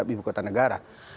ibu kota negara